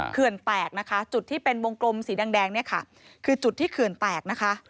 เขื่อนแตกจุดที่เป็นวงกลมสีแดงคือจุดที่เขื่อนแตก